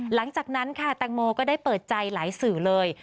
หลังจากนั้นค่ะแตงโมก็ได้เปิดใจหลายสื่อเลย